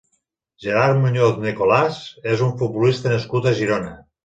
Gerard Muñoz Nicolás és un futbolista nascut a Girona.